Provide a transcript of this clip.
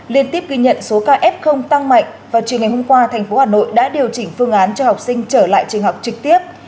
liên tiếp ghi nhận số ca f tăng mạnh vào chiều ngày hôm qua thành phố hà nội đã điều chỉnh phương án cho học sinh trở lại trường học trực tiếp